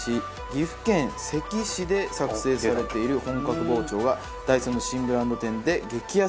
岐阜県関市で作製されている本格包丁がダイソーの新ブランド店で激安で入手できます。